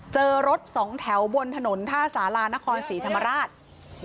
เจอรถสองแถวบนถนนท่าสารานครศรีธรรมราช